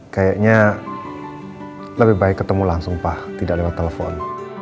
kayaknya lebih baik ketemu langsung pak tidak lewat telepon